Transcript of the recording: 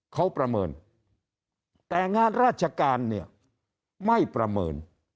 เขาประเมินแต่งานราชการเนี่ยไม่ประเมิน